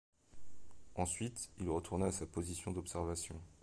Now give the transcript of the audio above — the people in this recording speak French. Ensuite, il retourna à sa position d'observation.